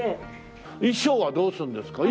衣装はどうするんですか？